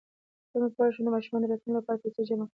څنګ کولی شم د ماشومانو د راتلونکي لپاره پیسې جمع کړم